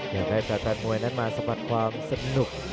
อยากให้สาธารณ์มวยนั้นมาสะพัดความสนุก